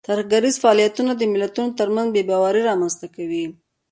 ترهګریز فعالیتونه د ملتونو ترمنځ بې باوري رامنځته کوي.